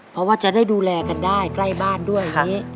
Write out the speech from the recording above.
เพราะว่าจะได้ดูแลกันได้ใกล้บ้านด้วยอย่างนี้